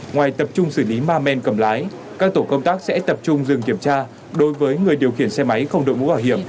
ngoài tập trung xử lý ma men cầm lái các tổ công tác sẽ tập trung dừng kiểm tra đối với người điều khiển xe máy không đội mũ bảo hiểm